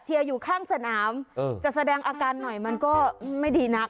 อยู่ข้างสนามจะแสดงอาการหน่อยมันก็ไม่ดีนัก